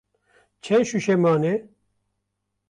Çend şûşe mane?